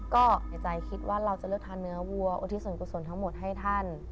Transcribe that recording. ก็ในใจคิดว่าเราจะเลือกทานเนื้อวัวอุทิศส่วนกุศลทั้งหมดให้ท่าน